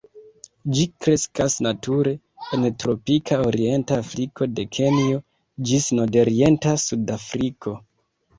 Ĝi kreskas nature en tropika orienta Afriko de Kenjo ĝis nordorienta Sud-Afriko.